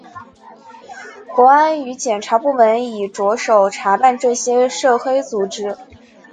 国安与检警部门已着手查办这些涉黑组织。